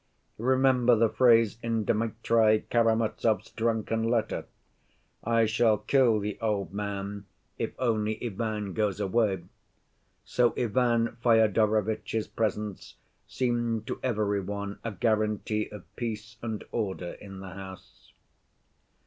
Remember the phrase in Dmitri Karamazov's drunken letter, 'I shall kill the old man, if only Ivan goes away.' So Ivan Fyodorovitch's presence seemed to every one a guarantee of peace and order in the house.